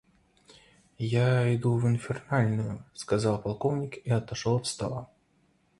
Я иду в инфернальную, — сказал полковник и отошел от стола.